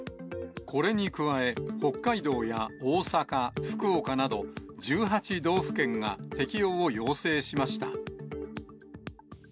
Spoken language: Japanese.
これに加え、北海道や大阪、福岡など、１８道府県が適用を要請しました。